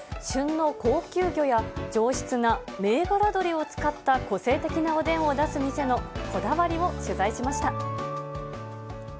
旬の高級魚や上質な銘柄鶏を使った個性的なおでんを出す店のこだわりを取材しました。